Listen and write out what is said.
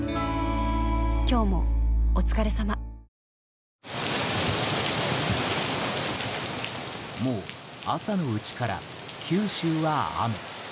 ニトリもう朝のうちから九州は雨。